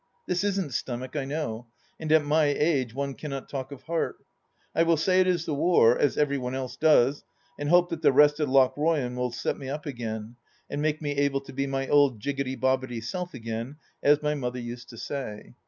This isn't stomach, I know, and at my age one cannot talk of heart ! I will say it is the War, as every one else does, and hope that the rest at Lochroyan will set me up again and make me able to be my old jiggity bobbity self again, as my mother used to say.